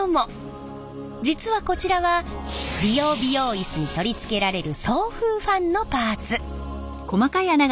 実はこちらは理容・美容イスに取り付けられる送風ファンのパーツ。